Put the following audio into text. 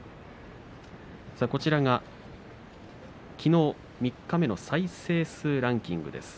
こちらがきのう三日目の再生数ランキングです。